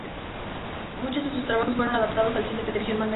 Muchos de sus trabajos fueron adaptados al cine, televisión, manga y anime.